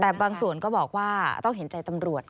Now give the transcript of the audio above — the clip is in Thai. แต่บางส่วนก็บอกว่าต้องเห็นใจตำรวจ